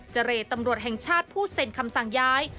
เจรตำรวจแห่งชาติผู้เซ็นคำสั่งย้าย